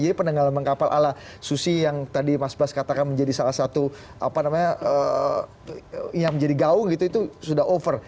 jadi pendengaraman kapal ala susi yang tadi mas bas katakan menjadi salah satu apa namanya yang menjadi gaung gitu itu sudah over